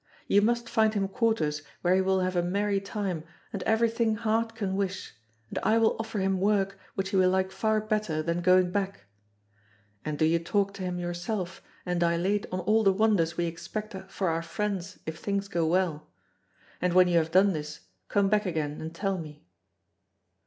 You must find him quarters where he will have a merry time and everything heart can wish, and I will offer him work which he will like far better than going back. And do you talk to him yourself, and dilate on all the wonders we expect for our friends if things go well. And when you have done this, come back again and tell me."